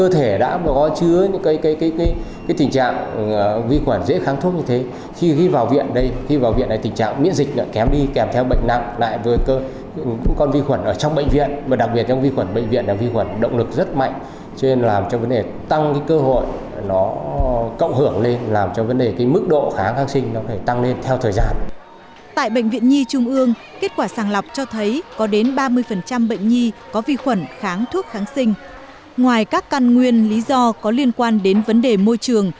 tại bệnh viện nhi trung ương kết quả sàng lọc cho thấy có đến ba mươi bệnh nhi trung ương